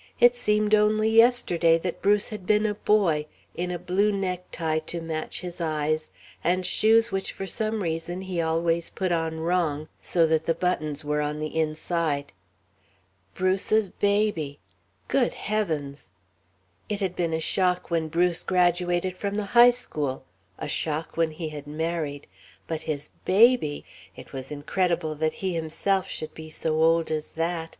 _ It seemed only yesterday that Bruce had been a boy, in a blue necktie to match his eyes, and shoes which for some reason he always put on wrong, so that the buttons were on the inside. Bruce's baby. Good heavens! It had been a shock when Bruce graduated from the high school, a shock when he had married, but his baby ... it was incredible that he himself should be so old as that.